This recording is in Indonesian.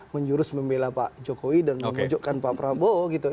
menjurus membela pak jokowi dan memujukkan pak prabowo